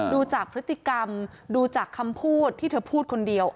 ดูจากพฤติกรรมดูจากคำพูดที่เธอพูดคนเดียว